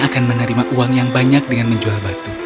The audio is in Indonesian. akan menerima uang yang banyak dengan menjual batu